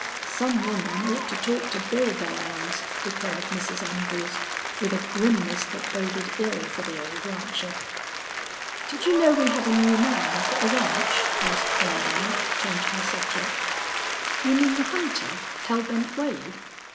"Some woman ought to talk to Bill Belllounds," declared Mrs. Andrews with a grimness that boded ill for the old rancher. "Did you know we had a new man up at the ranch?" asked Columbine, changing the subject. "You mean the hunter, Hell Bent Wade?"